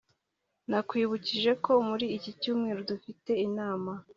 nakwibukije ko muri iki cyumweru dufite inama